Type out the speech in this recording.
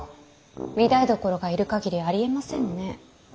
御台所がいる限りありえませんね。